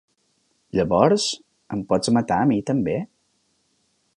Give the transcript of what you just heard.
Llavors, em pots matar a mi també?